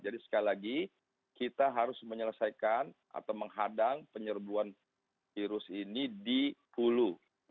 jadi sekali lagi kita harus menyelesaikan atau menghadang penyerbuan virus ini di hulu